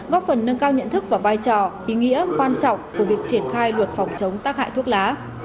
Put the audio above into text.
góp phần nâng cao nhận thức và vai trò ý nghĩa quan trọng của việc triển khai luật phòng chống tác hại thuốc lá